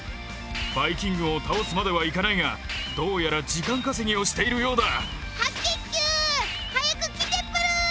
バイ菌軍を倒すまではいかないがどうやら時間稼ぎをしているようだ。